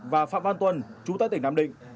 và phạm văn tuân chú tại tỉnh nam định